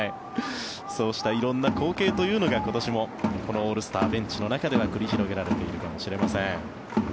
そうした色んな光景というのが今年もこのオールスターベンチの中では繰り広げられているかもしれません。